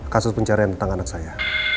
kasus pencarian tentang anak saya